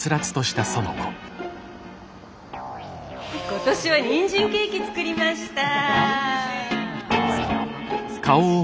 今年はにんじんケーキ作りました。